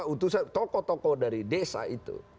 utusan tokoh tokoh dari desa itu